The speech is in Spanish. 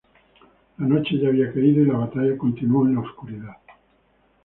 La noche ya había caído y la batalla continuó en la oscuridad.